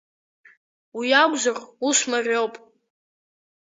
Уи акәзар ус мариоуп.